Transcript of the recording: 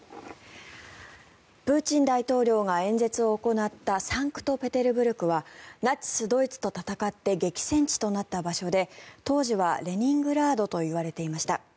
プーチン大統領が演説を行ったサンクトペテルブルクはナチス・ドイツと戦って激戦地となった場所で当時はレニングラードといわれていました。